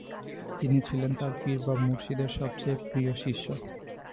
তিনি ছিলেন তার পীর বা মূর্শিদের সবচেয়ে প্রিয় শিষ্য।